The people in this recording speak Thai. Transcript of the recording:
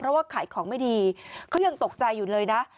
เพราะว่าขายของไม่ดีเขายังตกใจอยู่เลยนะ